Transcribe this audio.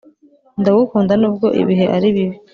Ndakugunda nubwo ibihe aribibi